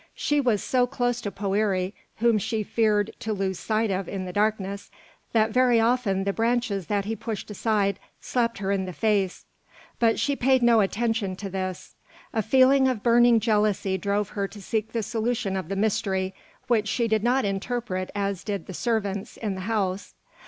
She was so close to Poëri, whom she feared to lose sight of in the darkness, that very often the branches that he pushed aside slapped her in the face; but she paid no attention to this. A feeling of burning jealousy drove her to seek the solution of the mystery, which she did not interpret as did the servants in the house.